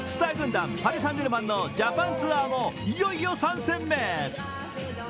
パリ・サン＝ジェルマンのジャパンツアーもいよいよ３戦目。